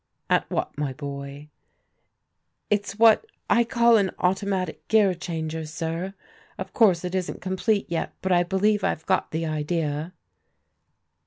" At what, my boy ?"" It's what I call an Automatic Gear danger, sir. Of course it isn't complete yet, but I believe I've got the idea."